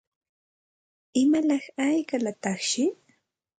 ¿Imalaq hayqalataqshi?